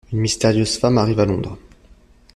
Une mystérieuse femme arrive à Londres.